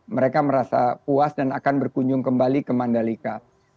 mereka merasa puas dan akan berkunjung kembali ke mandalika